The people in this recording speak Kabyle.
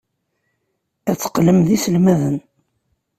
Ad teqqlem d iselmaden.